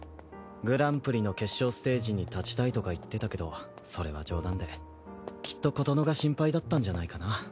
グランプリの決勝ステージに立ちたいとか言ってたけどそれは冗談できっと琴乃が心配だったんじゃないかな。